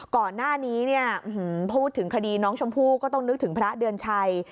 ก่อนหน้านี้เนี่ยพูดถึงคดีน้องชมพู่ก็ต้องนึกถึงพระเดือนชัย